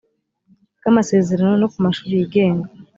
bw amasezerano no ku mashuri yigenga